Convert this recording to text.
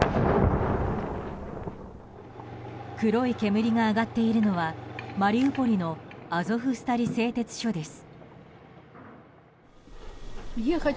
黒い煙が上がっているのはマリウポリのアゾフスタリ製鉄所です。